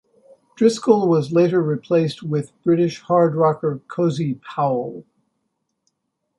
Driscoll was later replaced with British hard rocker, Cozy Powell.